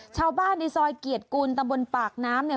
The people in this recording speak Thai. ชาวบ้านในซอยเกียรติกุลตะบนปากน้ำเนี่ย